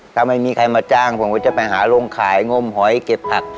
ถ้าไม่มีใครมาจ้างผมก็จะไปหาโรงขายงมหอยเก็บผัก